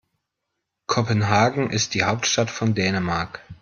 Kopenhagen ist die Hauptstadt von Dänemark.